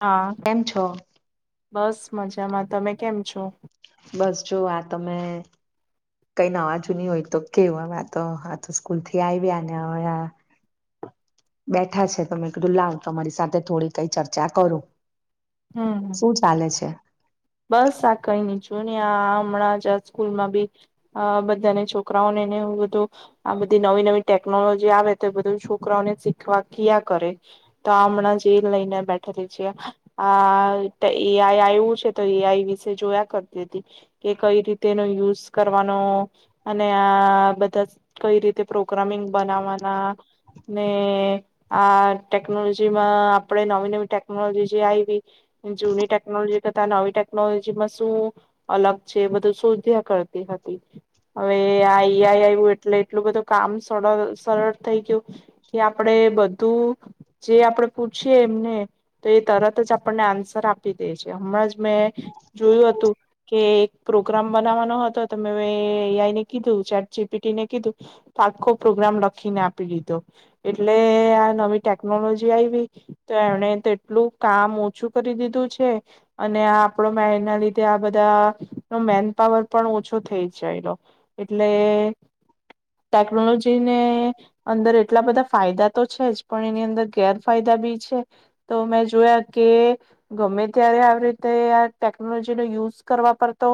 હા કેમ છો? બસ મજામાં તમે કેમ છો? બસ જો આ તમે કઈ નવા જૂની હોય તો કેવું હવે આ તો આ તો સ્કૂલ થી આવી્યા ને હ બેઠા છે તમે કધું લાવ તમારી સાથે થોડી કઈ ચર્ચા કરું. હમ શું ચાલે છે? બસ, આ કંઈ છું, ને આ હમણાં જ આ સ્કૂલમાં બી બધાને છોકરાઓને, ને બધું, આ બધી નવી નવી ટેકનોલોજી આવે તો બધું છોકરાઓને શીખવા ક્યા કરે તો આ હમણાં જ એ લઈને બેઠેલી છે. આ આ આવું છે. તો એ આઈ વિશે જોયા કરતી હતી કે કઈ રીતે એનો યુઝ કરવાનો, અને આ બધા કઈ રીતે પ્રોગ્રામિંગ બનાવવાના. ને આ ટેકનોલોજીમાં આપણે નવી નવી ટેકનોલોજી જે આવી, જૂની ટેકનોલોજી. નવી ટેકનોલોજીમાં શું અલગ છે, બધું શોધ્યા કરતી હતી. હવે આ એ આઈ આવ્યું એટલે એટલું બધું કામ સર સરળ થઈ ગયું કે આપણે બધું જે આપડે પૂછીએ, એમને તો એ તરત જ આપણને આન્સર આપી દે છે. હમણાં જ. મેં જોયું હતું કે એક પ્રોગ્રામ બનાવવાનો હતો, તો મેં એઆઈને કીધું. ચેટ જી પી ટી ને કીધું, તો આખો પ્રોગ્રામ લખીને આપી લીધો, એટલે આ નવી ટેકનોલોજી આવી તો એમણે તો એટલું કામ ઓછું કરી દીધું છે. અને આપણો, મે એના લીધે આ બધા ન મેન પાવર પણ ઓછો થઈ જાયલો., એટલે ટેકનોલોજીને અંદર એટલા બધા ફાયદા તો છે જ, પણ એની અંદર ગેરફાયદા બી છે. તો મેં જોયા કે ગમે ત્યારે રીતે આ ટેકનોલોજી નો યુઝ કરવા પર, તો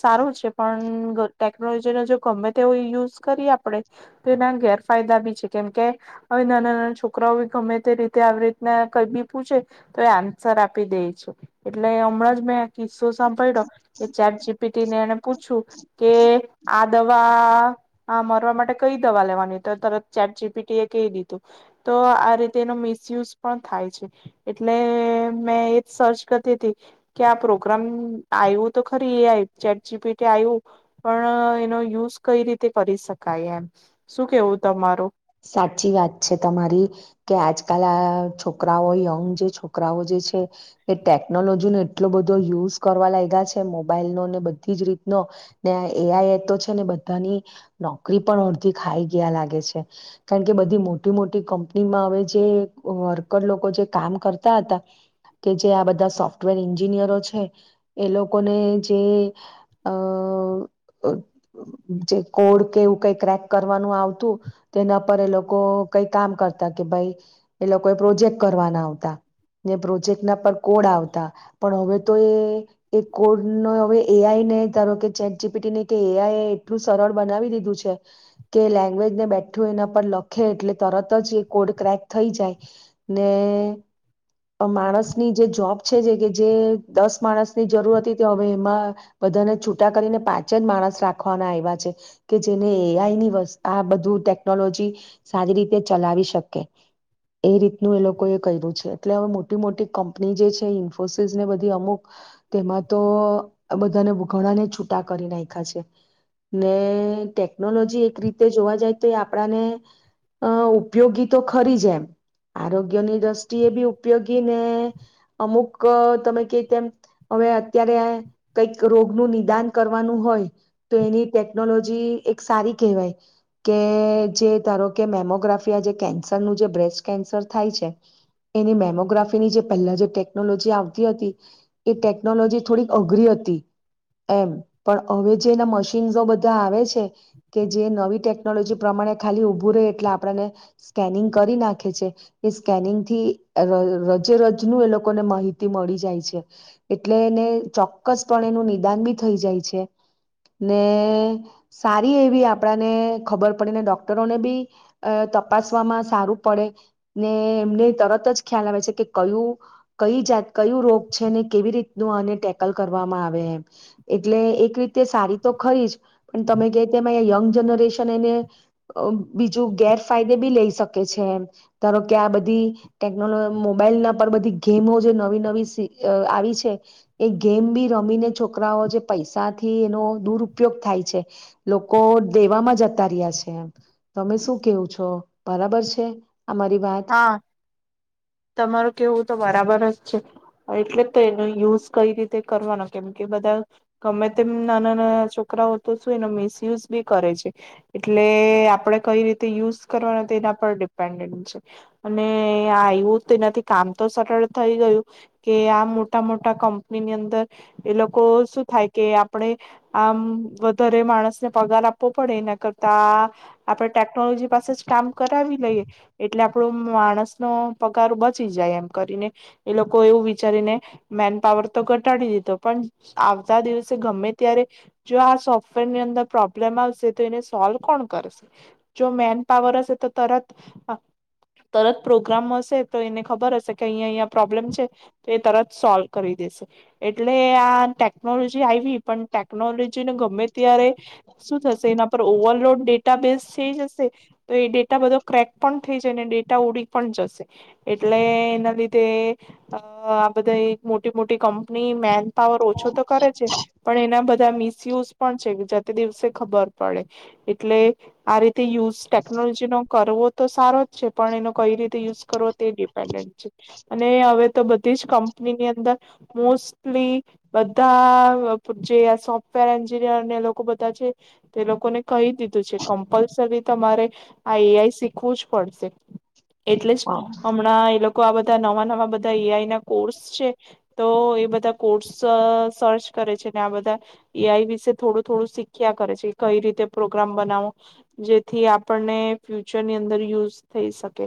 સારું છે, પણ ટેકનોલોજીને જો ગમે તે યુઝ કરીએ આપડે, તો એના ગેરફાયદા બી છે. કેમ કે હવે નાના-નાના છોકરાઓ ગમે તે રીતે આવી રીતના કઈ બી પૂછે, તો એ આન્સર આપી દેઈ છે. એટલે હમણાં જ મે કિસ્સો સાંભળ્યો કે ચેટ જીપીટી ને એને પૂછ્યું કે આ દવા આ મરવા માટે કઈ દવા લેવાની, તો તરત ચેટ જી પી ટી એ કહી દીધું. તો આ રીતે એનો મિસયુઝ પણ થાય છે. એટલે મેં એજ સર્ચ તેથી કે આ પ્રોગ્રામ આવું તો ખરી A I chat G PT આવ્યું પણ એનો યુઝ કઈ રીતે કરી શકાય? એમ શું કેવું તમારું? સાચી વાત છે તમારી કે આજકાલ આ છોકરાઓ યંગ જે છોકરાઓ જે છે એ ટેકનોલોજી નો એટલો બધો યુઝ કરવા લાગ્યા છે. મોબાઈલ નો ને બધી જ રીતનો ને એ આઈ એ તો છે ને બધાની નોકરી પણ અડધી ખાઈ ગીયા લાગે છે. કારણ કે બધી મોટી મોટી કંપનીમાં હવે જે વર્કર લોકો જે કામ કરતા હતા, કે જે આ બધા સોફ્ટવેર એન્જિનિયરો છે. એ લોકોને જે અ જે કોડ કે એવું કઈ ક્રેક કરવાનું આવતું તેના પર એ લોકો કંઈ કામ કરતા કે ભાઈ, એ લોકો એ પ્રોજેક્ટ કરવાના આવતા. ને પ્રોજેક્ટ ના પર કોડ આવતા. પણ હવે તો એ એ કોડ ન હવે એ આઈ ને ધારો કે ચેટ જી પીટી ને કે એઆઈ એ એટલું સરળ બનાવી દીધું છે કે લેંગ્વેજને બેંગ બધું એના પર લખે એટલે તરત જ એ કોડ ક્રેક થઈ જાય ને માણસની જે જોબ છે જે કે જે દસ માણસની જરૂર હતી તે હવે એમાં બધાને છૂટા કરીને પાંચ જ માણસ રાખવાના આવ્યા છે. કે જેને એ આઈની વ આ બધું ટેકનોલોજી ટેકનોલોજી સારી રીતે ચલાવી શકે એ રીતનું એ લોકો એ કર્યું છે. એટલે હવે મોટી મોટી કંપની જે છે. ઇન્ફોસિસ ને બધી અમુક તેમાં તો બધાને ઘણાને છૂટા કરી નાખ્યા છે. ને ટેકનોલોજી એક રીતે જોવા જાય તો આપણાને અ ઉપયોગી તો ખરી જ એમ આરોગ્યની દ્રષ્ટિએ બી ઉપયોગી ને અમુક તમે કે તેમ હવે અત્યારે કંઈક રોગનું નિદાન કરવાનું હોય તો એની ટેકનોલોજી એક સારી કહેવાય. કે જે ધારો કે મેમોગ્રાફી આ જે કેન્સરનું છે જે બ્રેસ્ટ કેન્સર થાય છે. એની મેમોગ્રાફીની જે પહેલા જે ટેકનોલોજી આવતી હતી. એ ટેકનોલોજી થોડીક અઘરી હતી એમ પણ હવે, જે એના મશીન્સો બધા આવે છે કે જે નવી ટેકનોલોજી ટેકનોલોજી પ્રમાણે ખાલી ઊભું રહે એટલે આપણને સ્કેનિંગ કરી નાખે છે. એ સ્કેનિંગ થી રજે રજીનું એ લોકોને માહિતી મળી જાય છે. એટલે એને ચોક્કસ પણ એનું નિદાન બી થઈ જાય છે ને સારી એવી આપણાને ખબર પડેને ડોક્ટરોને બી અ તપાસવામાં સારું પડે ને એમને તરત જ ખ્યાલ આવે છે કે કયું કંઈ જાત કયું રોગ છે ને કેવી રીતનું આને ટેકલ કરવામાં આવે એમ એટલે એક રીતે સારી તો ખરી જ પણ તમે કેય તેમ આ યંગ જનરેશન અ બીજું ગેરફાયદે બી લઈ શકે છે. ધારો કે આ બધી ટેકનોલોજી મોબાઈલ ના પર બધી ગેમો જે નવી-નવી આવી છે એ ગેમ બી રમીને છોકરાઓ જે પૈસાથી એનો દુરુપયોગ થાય છે. લોકો દેવામાં જતા ઉતાર્યા છે. એ તમે શું કેવું છો? બરાબર છે. આ મારી વાત. હા તમારું કેવું તો બરાબર જ છે. એટલે તો એનો યુઝ કંઈ રીતે કરવાનો કેમ કે બધા ગમે તેમ નાના-નાના છોકરાઓ તો શું, એનો મિસયુઝ બી કરે છે. એટલે આપણે કંઈ રીતે યુઝ કરવાનો તો એના પર ડિપેન્ડન્ટ છે. અને આ આવ્યું તેનાથી કામ તો સરળ થઈ ગયું કે આમ મોટા-મોટા કંપનીની અંદર એ લોકો શું થાય કે આપડે આમ વધારે માણસને પગાર આપવો પડે, એના કરતા આપણે ટેકનોલોજી પાસે જ કામ કરાવી લઈએ એટલે આપડો માણસનો પગા બચી જાય એમ કરીને એ લોકો એવું વિચારીને મેન પાવર તો ઘટાડી દીધો. પણ આવતા દિવસે ગમે ત્યારે જો આ સોફ્ટવેર ની અંદર પ્રોબ્લેમ આવશે તો એને સોલ્વ કોણ કરશે? જો મેન પાવર હશે તો તરત અ તરત પ્રોગ્રામ હશે. તો એને ખબર હશે કે અહીંયા-અહીંયા પ્રોબ્લેમ છે, એ તરત સોલ્વ. કરી દેશે. એટલે આ ટેકનોલોજી આવી. પણ ટેકનોલોજીને ગમે ત્યારે શું થશે એના પર ઓવરલોડ ડેટા બેઝ થઈ જશે, તો એ ડેટા બધો ક્રેક પણ થઈ જાય અને ડેટા ઉંડી પણ જશે. એટલે એના લીધે અ આ બધા મોટી મોટી કંપની મેન પાવર ઓછો તો કરે છે. પણ એના બધા મિસયુઝ પણ છે. જતે દિવસે ખબર પડે, એટલે આ રીતે યુઝ ટેકનોલોજી નો કરવો તો સારો. છે, પણ એનો કઈ રીતે યુઝ કે ડીપેન્ડન્ટ છે અને હવે તો બધી જ કંપનીની અંદર, મોસ્ટલી બધા જે આ સોફ્ટવેર એન્જિનિયરને બધા છે તે લોકોને કહી દીધું છે કમ્પલસરી તમારે આ એઆઈ શીખવું જ પડશે. એટલે જ હમણાં એ લોકો આ બધા નવા નવા બધા એઆઈ ના કોર્સ છે, તો એ બધા કોર્સ સર્ચ કરે છે. આ બધા એઆઈ વિશે થોડું થોડું શીખ્યા કરે છે, કંઈ રીતે પ્રોગ્રામ બનાવો જેથી આપણને ફ્યુચરની અંદર યુઝ થઈ શકે.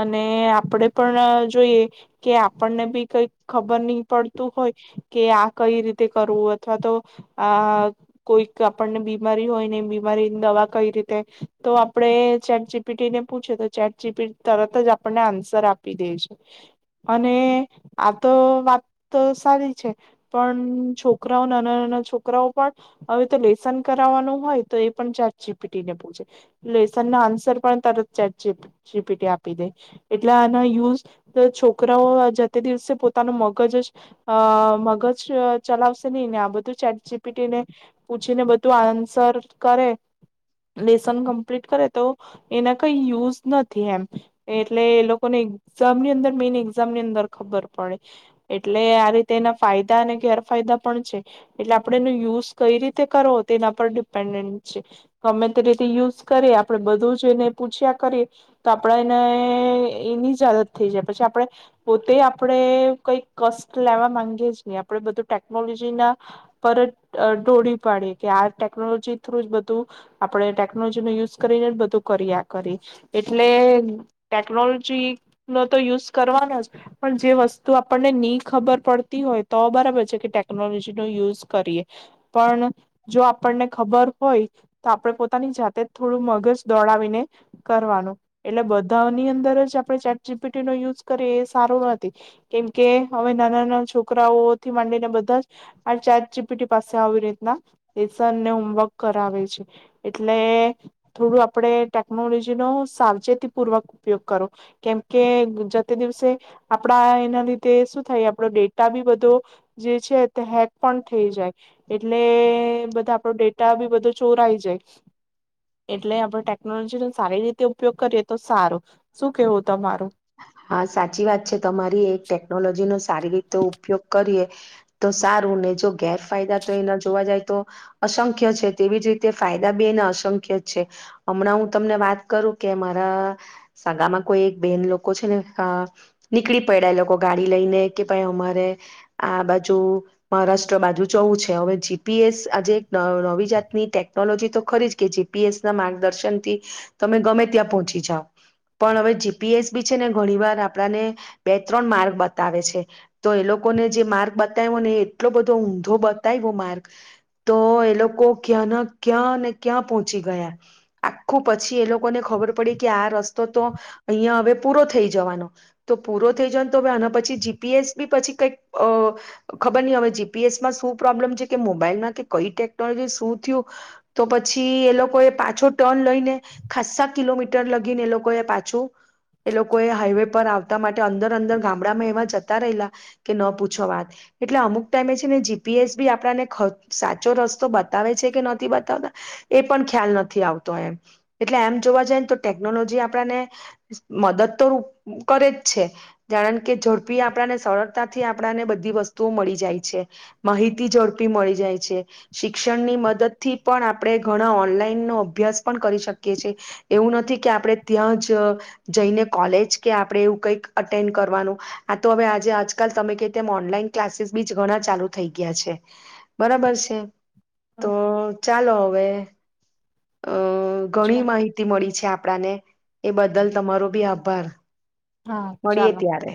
અને આપડે પણ જોઈએ કે આપણને બી કંઈક ખબર નઈ પડતું હોય કે આ કઈ રીતે કરવું, અથવા તો આ કોઈક આપણને બીમારી હોય ને એ બીમારીની દવા કઈ રીતે તો આપડે ચેટ જીપીટી ને પૂછે તો ચેટ જીપીટી તરત આપ આન્સર આપી દે છે અને આ તો વાત તો સારી છે પણ છોકરાઓ નાના નાના છોકરાઓ પણ હવે તો લેસન કરાવવાનું હોય તો એ પણ ચેટ જીપીટી ને પૂછે લેસન ના આન્સર પણ તરત ચાર ચેટ જીપીટી આપે એટલે આનો યુઝ છોકરાઓ જતે દિવસે પોતાનું મગજ જ મગજ ચલાવશે નહી ને આ બધું ચેટ જીપીટીને પૂછીને બધું આન્સર કરે લેસન કમ્પ્લીટ કરે તો એના કઈ યુઝ નથી એમ એટલે એ લોકોને એક્ઝામ ની અંદર મેન એક્ઝામની અંદર ખબર પડે એટલે આ રીતે એના ફાયદા અને ગેરફાયદા પણ છે એટલે આપણેે એનો યુઝ કઈ રીતે કરવો તે એના પર ડિપેન્ડન્ટ છે ગમે તે રીતે યુઝ કરીએ આપડણે બધું જ એને પૂછ્યા કરીએ તો આપણે ને એની જ આદત થઈ જાય પછી આપણે પોતે આપણે કઈ કષ્ટ લેવા માંગીએ જ નહી આપણે બધું ટેકનોલોજી ના પર જ ડઢોળી પાડીએ કે આ ટેકનોલોજી થ્રુ જ બધું આપણેે ટેકનોલોજી નો યુઝ કરીને બધું કરીઆ કરીયે એટલે ટેકનોલોજી નો તો યુઝ કરવાનો જ પણ જે વસ્તુ આપણને નહી ખબર પડતી હોય તો બરાબર છે કે ટેકનોલોજી નો યુઝ કરીએ પણ જો આપણને ખબર હોય તો આપડણે પોતાની જાતે જ થોડું મગજ દોડાવીને કરવાનું એટલે બધું ધાની અંદર જ આપણે ચેટ જી પીટી નો યુઝ કરીએ એ સારો નથી કેમકે હવે નાના નાના છોકરાઓથી માંડીને બધા જ આ ચેટ જીપીટી પાસે આવી રીતના લેસનને હોમવર્ક કરાવે છે એટલે થોડું આપણે ટેકનોલોજી ન સાવચેતી પૂ પૂર્વક ઉપયોગ કરો કેમકે જતે દિવસે આપડા એના લીધે શું થાય આપડો ડેટા બી બધો જે છે તે હેક પણ થઈ જાય એટલે બધા આપડો ડેટા બી બધો ચોરઈ જાય એટલે આપણે ટેકનોલોજી નો સારી રીતે ઉપયોગ કરીએ તો સારું શું કેવું તમારું હા સાચી વાત છે તમારી એક ટેકનોલોજીનો સારી રીતે ઉપયોગ કરીએ તો સારું ને જો ગેરફાયદા તો એના જોવા જાય તો અસંખ્ય છે તેવી જ રીતે ફાયદા બી એને અસંખ્ય જ છે હમણાં હું તમને વાત કરું કે મારા સાગામાં કોઈ એક બેહેન લોક લોકો છેને નીકળી પડ્યા એ લોકો ગાડી લઈને કે ભાઈ અમારે આ બાજુ મહારાષ્ટ્ર બાજુ જવું છે હવે જીપીએસ આજે નવી જાતની ટેકનોલોજી તો ખરી જ કે જીપીએસ ના માર્ગદર્શન થી તમે ગમે ત્યાં પહોંચી જાવ પણ હવે જીપીએસ બી જે ને ઘણી વાર આપડાને બે ત્રણ માર્ગ બતાવે છે તો એ લોકોને જે માર્ગ બતાવ્યો ને એ એટલો બધો ઊંધો બતાવ્યો માર્ગ તો એ લોકો ક્યાં ના ક્યા ને ક્યાં પહોંચી ગયા આખું પછી એ લોકોને ખબર પડી કે આ રસ્તો તો અહિયા હવે પૂરો થઈ જવાનો તો પૂરો થઈ જવાનો તો આને પછી જીપીએસ બી પછી કઈક ખબર ની હવે જીપીએસમાં શું પ્રોબ્લેમ છે કે મોબાઈલ ના કે કઈ ટેકનોલોજી શું થયું તો પછી એ લોકો એ પાછો ટર્ન લઈને ખસ્સા કિલોમીટર લગીને એ લોકો એ પાછું એ લોકો એ હાઈવે પર આવ માટે અંદર અંદર ગામડામાં એવા જતા રહીલા કે ન પૂછો વાત એટલે અમુક ટાઈમે છે ને જીપીએસ બી આપણાને ખ સાચો રસ્તો બ બતાવે છે કે નથી બતાવતા એ પણ ખ્યાલ નથી આવતો એમ એટલે એમ જોવા જાય ને તો ટેકનોલોજી આપણને મદદ તો કરે જ છે કારણ કે ઝડપી આપણાને સરળતાથી આપણાને બધી વસ્તુઓ મળી જાય છે માહિતી ઝડપી મળી જાય છે શિક્ષણની મદદથી પણ આપણે ઘણા ઓનલાઈન નો અભ્યાસ પણ કરી શકીએ છીએ એવું નથી કે આપણે ત્યાં જ જઈને કોલેજ કે આપણે એવું કઈક અટેન્ડ કરવાનું આ તો હવે આજે આજકાલ તમે ક તેમ ઓનલાઈન ક્લાસીસ બીજ ઘણા ચાલુ થઈ ગયા છે બરાબર છે હમ તો ચાલો હવે અ અ ઘણી ચાલો માહિતી મળી છે આપ આપડાને એ બદલ તમારો બી આભાર હા મળીએ ચાલો ત્યારે